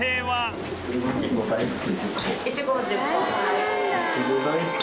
はい。